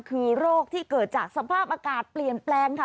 คือโรคที่เกิดจากสภาพอากาศเปลี่ยนแปลงค่ะ